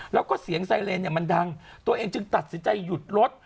แล้วก็เสียงไซเรนเนี่ยมันดังตัวเองจึงตัดสินใจหยุดรถ